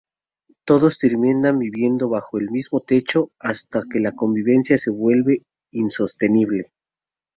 Todos terminan viviendo bajo el mismo techo, hasta que la convivencia se vuelve insostenible.